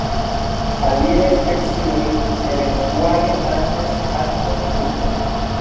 Aliaj specioj eventuale manĝas ankaŭ frukton.